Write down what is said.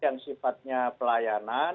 yang sifatnya pelayanan